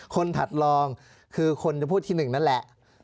คนถัดรองคือคนจำพวกที่๑นั่นแหละ